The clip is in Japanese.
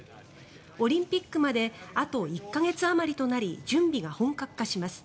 オリンピックまであと１か月あまりとなり準備が本格化します。